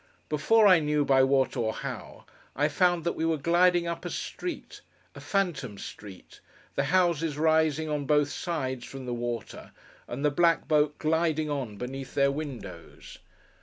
Before I knew by what, or how, I found that we were gliding up a street—a phantom street; the houses rising on both sides, from the water, and the black boat gliding on beneath their windows.